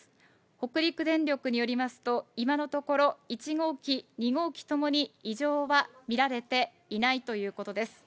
北陸電力によりますと、今のところ、１号機、２号機ともに異常は見られていないということです。